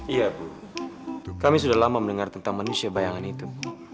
iya bu kami sudah lama mendengar tentang manusia bayangan itu